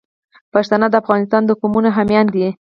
پښتانه د افغانستان د قومونو حامیان دي.